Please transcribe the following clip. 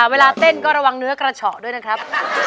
เวลาเต้นก็ระวังเนื้อกระเฉาะด้วยนะครับ